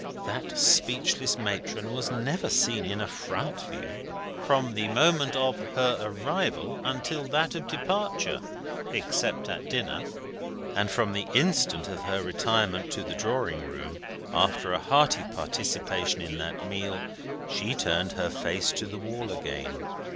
That speechless matron was never seen in a front view, from the moment of her arrival to that of her departure except at dinner. And from the instant of her retirement to the drawing room, after a hearty participation in that meal, she turned her face to the wall again.